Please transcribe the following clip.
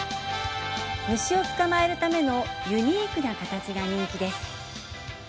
虫を捕まえるためのユニークな形が人気です。